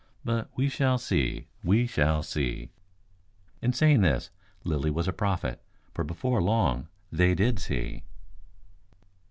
But we shall see, we shall see." In saying this Lilly was a prophet, for before long they did see.